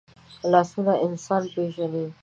لاسونه انسان پېژني